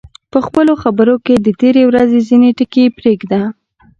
په خپلو خبرو کې د تېرې ورځې ځینې ټکي پرېږده.